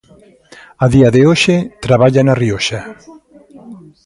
A día de hoxe, traballa na Rioxa.